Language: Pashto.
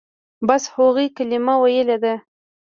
بس هغوى کلمه ويلې ده.